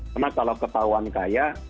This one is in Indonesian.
karena kalau ketahuan kaya